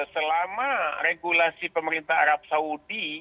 selama regulasi pemerintah arab saudi